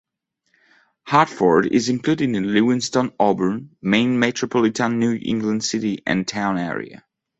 Hartford is included in the Lewiston-Auburn, Maine metropolitan New England City and Town Area.